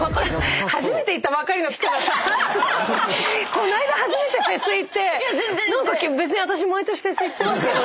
この間初めてフェス行って「私毎年フェス行ってますけど？